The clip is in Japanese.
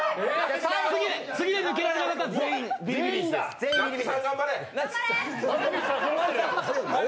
次で抜けられなかったら全員ビリビリ椅子です。